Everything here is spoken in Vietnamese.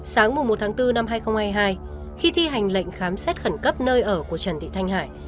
sáng mùa một tháng bốn năm hai nghìn hai mươi hai khi thi hành lệnh khám xét khẩn cấp nơi ở của trần thị thanh hải